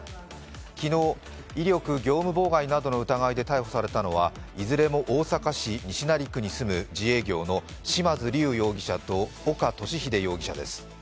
昨日、威力業務妨害などの疑いで逮捕されたのは、いずれも大阪市西成区に住む自営業の嶋津龍容疑者と岡敏秀容疑者です。